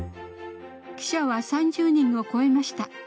記者は３０人を超えました。